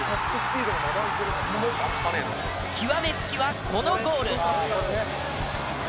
極め付きはこのゴール。